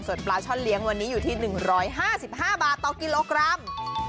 ส่วนปลาช่อนเลี้ยงวันนี้อยู่ที่๑๕๕บาทต่อกิโลกรัม